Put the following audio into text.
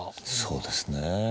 そうですね。